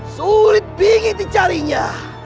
sulit bingit dicarinya